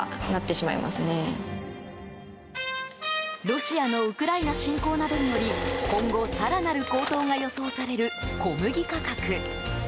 ロシアのウクライナ侵攻などにより今後、更なる高騰が予想される小麦価格。